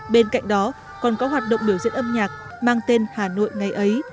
bên cạnh đó còn có hoạt động biểu diễn âm nhạc mang tên hà nội ngày ấy